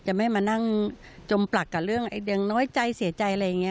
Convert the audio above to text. จะไม่มานั่งจมปลักกับเรื่องไอ้อย่างน้อยใจเสียใจอะไรอย่างนี้